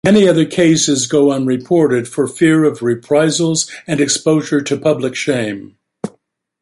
Many other cases go unreported for fear of reprisals and exposure to public shame.